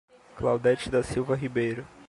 Claudete da Silva Ribeiro